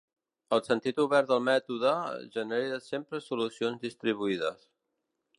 El sentit obert del mètode, genera sempre solucions distribuïdes.